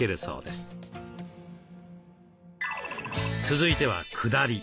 続いてはくだり。